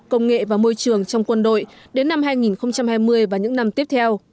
công nghệ và môi trường trong quân đội đến năm hai nghìn hai mươi và những năm tiếp theo